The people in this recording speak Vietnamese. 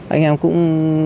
anh em cũng